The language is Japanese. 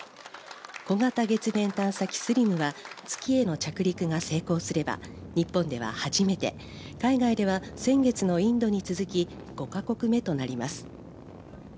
小型月面探査機ＳＬＩＭは月への着陸が成功すれば日本では初めて海外では先月のインドに続き５か国目となります。